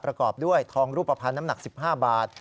ประกอบด้วยทองรูปภัณฑ์น้ำหนัก๑๕บาท